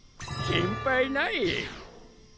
心配ない。